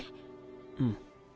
うん。